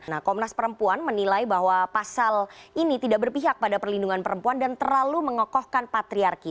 nah komnas perempuan menilai bahwa pasal ini tidak berpihak pada perlindungan perempuan dan terlalu mengokohkan patriarki